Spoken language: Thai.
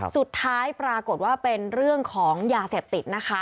สุดท้ายปรากฏว่าเป็นเรื่องของยาเสพติดนะคะ